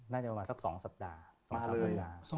น่าจะมาสัก๒สัปดาห์